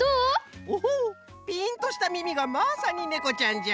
ピンとしたみみがまさにねこちゃんじゃ。